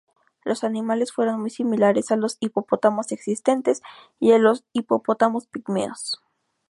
Los animales fueron muy similares a los hipopótamos existentes y a los hipopótamo pigmeos.